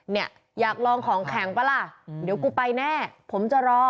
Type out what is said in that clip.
เนี่ยอยากลองของแข็งป่ะล่ะเดี๋ยวกูไปแน่ผมจะรอ